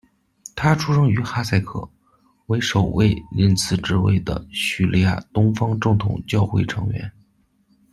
他出生于哈塞克，为首位任此职位的叙利亚东方正统教会成员。